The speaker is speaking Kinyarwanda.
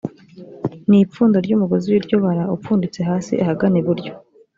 ni ipfundo ry’umugozi w’iryo bara upfunditse hasi ahagana iburyo